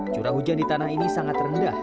curah hujan di tanah ini sangat rendah